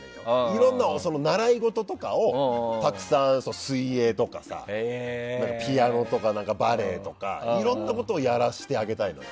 いろんな習い事とかをたくさん水泳とかさ、ピアノとかバレエとか、いろんなことをやらせてあげたいのよ。